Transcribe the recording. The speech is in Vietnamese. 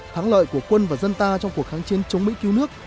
thắng lợi của quân và dân ta trong cuộc kháng chiến chống mỹ cứu nước